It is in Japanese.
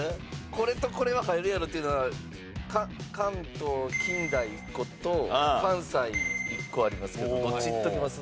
これとこれは入るやろっていうのは関東近代１個と関西１個ありますけどどっちいっときます？